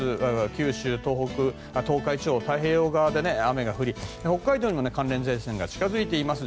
九州、東北、東海地方太平洋側で雨が降り、北海道にも寒冷前線が近付いています。